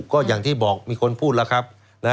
ก็อย่างที่บอกมีคนพูดแล้วครับ